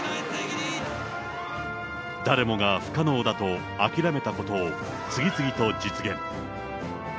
誰もが不可能だと諦めたことを次々と実現。